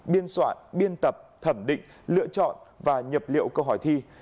biên soạn biên tập thẩm định lựa chọn và nhập liệu câu hỏi thi